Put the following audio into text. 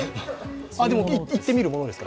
でも、言ってみるものですか？